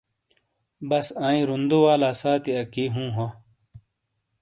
بس آئیں رُوندو والا سانتی اکی ہُوں، ہو۔